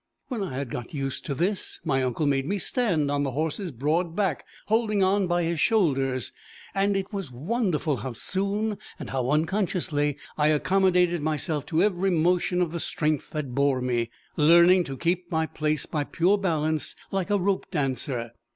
When I had got used to this, my uncle made me stand on the horse's broad back, holding on by his shoulders; and it was wonderful how soon, and how unconsciously, I accommodated myself to every motion of the strength that bore me, learning to keep my place by pure balance like a rope dancer.